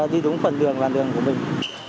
đi đúng phần đường làn đường của mình